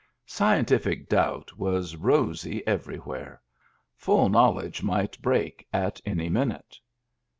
Scientific doubt was rosy everywhere; full knowledge might break at any minute.